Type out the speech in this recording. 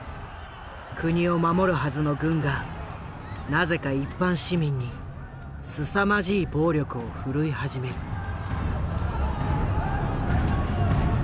国を守るはずの軍がなぜか一般市民にすさまじい暴力を振るい始める。